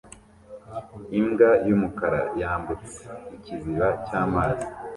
Imbwa yumukara yambutse ikiziba cyamazi